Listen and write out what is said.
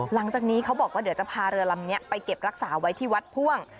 หลังจากนี้เขาบอกว่าเดี๋ยวจะพาเรือลำนี้ไปเก็บรักษาไว้ที่วัดพ่วง